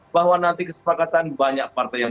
bahwa nanti kesepakatan banyak partai yang